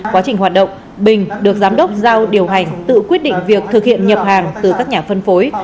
quá trình hoạt động bình được giám đốc giao điều hành tự quyết định việc thực hiện nhập hàng từ các nhà phân phối